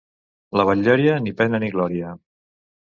La Batllòria, ni pena ni glòria.